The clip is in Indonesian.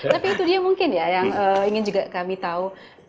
tapi itu dia mungkin ya yang ingin juga kami tahu